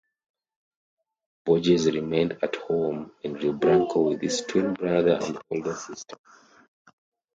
Borges remained at home in Rio Branco with his twin brother and older sister.